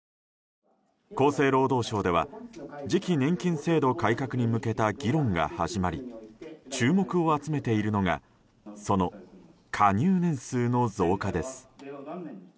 厚生労働省では次期年金制度改革に向けた議論が始まり注目を集めているのがその加入年数の増加です。